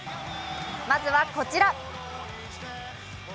まずは、こちら。